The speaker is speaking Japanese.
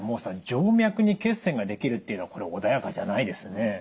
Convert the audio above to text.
静脈に血栓が出来るっていうのはこれ穏やかじゃないですね。